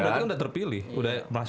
tapi kan berarti udah terpilih